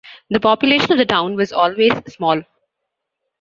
The population of the town was always small.